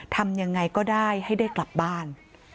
ทำยังไงก็ได้ให้ได้กลับบ้าน